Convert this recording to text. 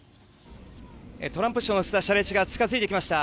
トランプ氏を乗せた車列が近付いてきました。